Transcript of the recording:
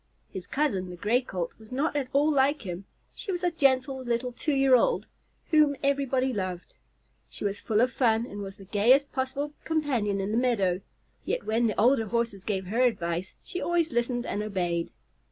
His cousin, the Gray Colt, was not at all like him. She was a gentle little two year old whom everybody loved. She was full of fun and was the gayest possible companion in the meadow, yet when the older Horses gave her advice, she always listened and obeyed.